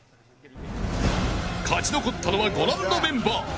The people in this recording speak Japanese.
勝ち残ったのはご覧のメンバー。